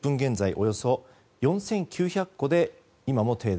およそ４９００戸で今も停電。